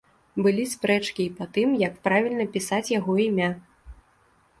Былі спрэчкі і па тым, як правільна пісаць яго імя.